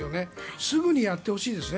すぐにやってほしいですね。